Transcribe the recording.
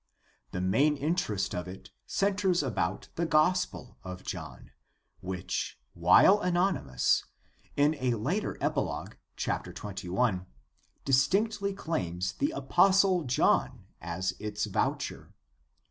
The main interest of it centers about the Gospel of John which, while anonymous, in a later epilogue, chap. 21, distinctly claims the apostle John as its voucher.